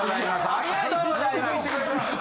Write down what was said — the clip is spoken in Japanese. ありがとうございます！